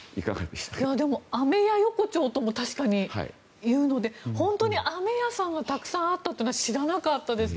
でも、アメヤ横丁とも確かに言うので本当に飴屋さんがたくさんあったのは知らなかったです。